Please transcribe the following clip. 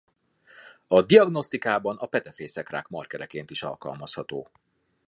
A diagnosztikában a petefészekrák markereként is alkalmazható.